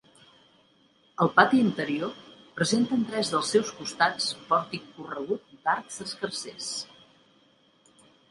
El pati interior presenta en tres dels seus costats pòrtic corregut d'arcs escarsers.